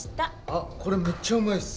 あっこれめっちゃうまいっす。